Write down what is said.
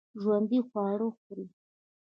ژوندي خواړه خوري